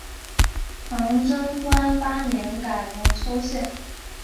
唐贞观八年改龙丘县。